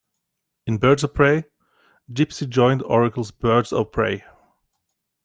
In "Birds of Prey", Gypsy joined Oracle's Birds of Prey.